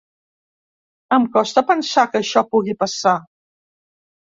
Em costa pensar que això pugui passar.